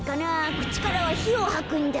くちからはひをはくんだ。